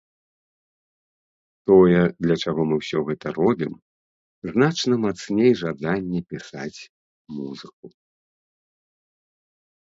Тое, для чаго мы ўсё гэта робім, значна мацней жадання пісаць музыку.